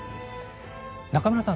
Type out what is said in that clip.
中村さん